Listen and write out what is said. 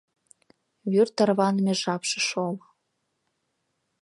Вӱр тарваныме жапше шол;